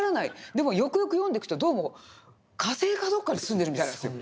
でもよくよく読んでくとどうも火星かどこかに住んでるみたいなんですよ。